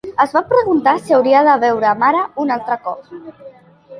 Es va preguntar si hauria de veure Mara un altre cop.